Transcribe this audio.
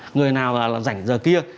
người nào là rảnh giờ kia